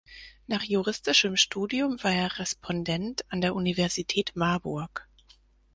Nach juristischem Studium war er Respondent an der Universität Marburg.